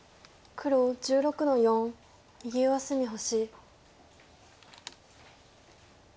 黒１６の十六右下隅星。